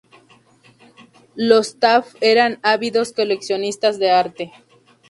Los Taft eran ávidos coleccionistas de arte.